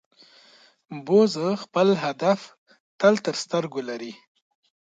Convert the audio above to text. باز خپل هدف تل تر سترګو لري